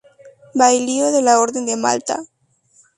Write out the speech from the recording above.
Bailío de la Orden de Malta.